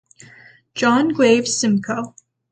John Graves Simcoe.